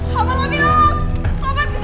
lompat lagi lompat lompat ke situ